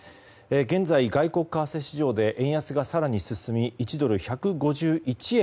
現在、外国為替市場で円安が更に進み１ドル＝１５１円